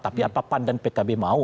tapi apa pan dan pkb mau